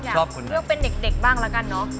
อยากเลือกเป็นเด็กบ้างละกันเนาะ